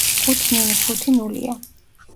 ხუთს მინუს ხუთი ნულია.